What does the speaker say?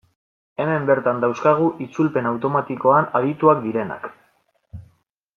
Hemen bertan dauzkagu itzulpen automatikoan adituak direnak.